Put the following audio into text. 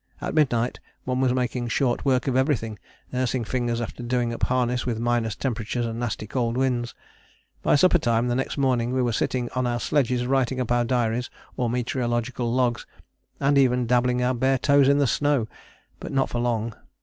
At midnight one was making short work of everything, nursing fingers after doing up harness with minus temperatures and nasty cold winds: by supper time the next morning we were sitting on our sledges writing up our diaries or meteorological logs, and even dabbling our bare toes in the snow, but not for long!